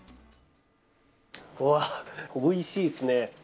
うわ、おいしいですね。